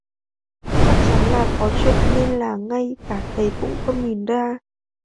Chắc chắn là có chuyện nên là ngay cả thầy cũng không nhìn ra